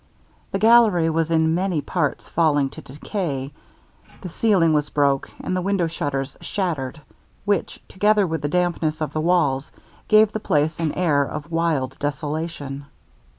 The gallery was in many parts falling to decay, the ceiling was broke, and the window shutters shattered, which, together with the dampness of the walls, gave the place an air of wild desolation.